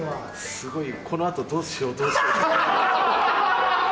すごいこのあとどうしようどうしよう。